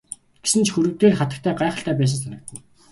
Гэсэн ч хөрөг дээрх хатагтай гайхалтай байсан санагдана.